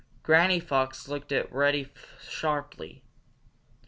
Granny Fox looked at Reddy sharply.